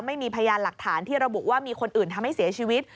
ไม่มีพยานหลักฐานที่ระบุว่ามีคนอื่นทำให้เสียชีวิต